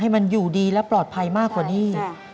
มันอยู่ดีและปลอดภัยมากกว่านี้